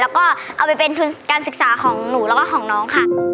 แล้วก็เอาไปเป็นทุนการศึกษาของหนูแล้วก็ของน้องค่ะ